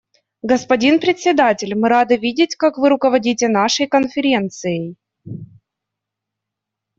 Господин Председатель, мы рады видеть, как вы руководите нашей Конференцией.